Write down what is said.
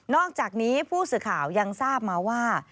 อกจากนี้ผู้สื่อข่าวยังทราบมาว่า